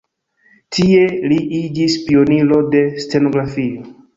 Tie li iĝis pioniro de stenografio.